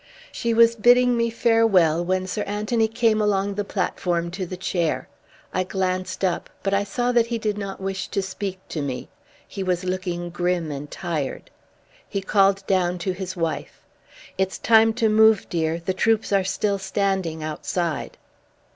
She was bidding me farewell when Sir Anthony came along the platform to the chair. I glanced up, but I saw that he did not wish to speak to me. He was looking grim and tired. He called down to his wife: "It's time to move, dear. The troops are still standing outside."